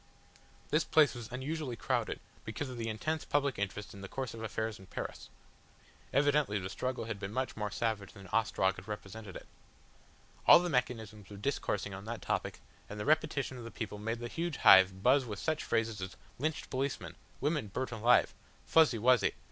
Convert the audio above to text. This place was unusually crowded, because of the intense public interest in the course of affairs in Paris. Evidently the struggle had been much more savage than Ostrog had represented it. All the mechanisms were discoursing upon that topic, and the repetition of the people made the huge hive buzz with such phrases as "Lynched policemen," "Women burnt alive," "Fuzzy Wuzzy."